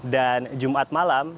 dan jumat malam